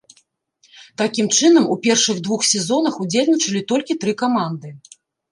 Такім чынам, у першых двух сезонах удзельнічалі толькі тры каманды.